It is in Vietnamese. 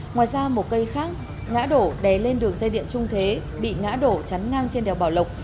ngoài ra một cây khác ngã đổ đè lên đường dây điện trung thế bị ngã đổ chắn ngang trên đèo bảo lộc